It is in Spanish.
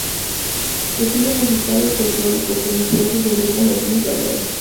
Su estilo musical es folclórico con influencias de ritmos latinos variados.